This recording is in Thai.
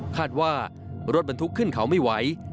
คาดว่ารถบรรทุกขึ้นเขาไม่ไหว